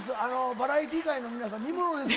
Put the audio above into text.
バラエティー界の皆さん見ものです！